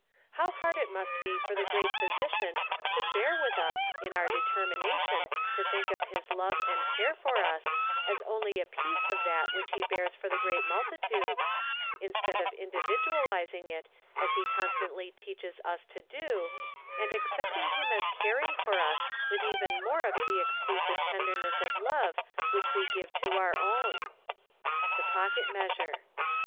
49 30. How hard it must be for the Great Physician to bear with ns in our determina¬ tion to think of His love and care for us as only a piece of that which He bears for the great multitudes, instead of individualizing it as He constantly teaches us to do, and accepting Him as caring for us with even more of the exclusive tenderness of love which we give to our own. The Pocket Measure.